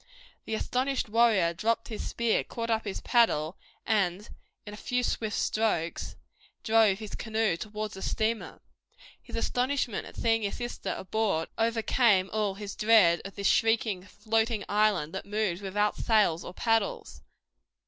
The astonished warrior dropped his spear, caught up his paddle and in a few swift strokes drove his canoe towards the steamer. His astonishment at seeing his sister aboard overcame all his dread of this shrieking, floating island that moved without sails or paddles.